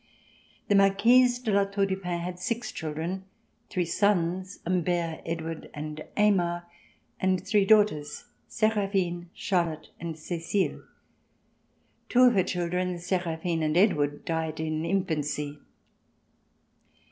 The Marquise de La Tour du Pin had six children — three sons, Humbert, Edward and Aymar, and three daughters, Seraphine, Charlotte and Cecile. Two of her children, Seraphine and Edward, died in infancy.